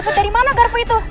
aku dari mana garpu itu